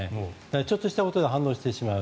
ちょっとしたことで反応してしまう。